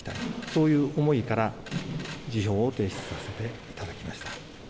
そういう思いから、辞表を提出させていただきました。